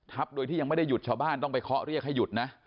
โดยที่ยังไม่ได้หยุดชาวบ้านต้องไปเคาะเรียกให้หยุดนะ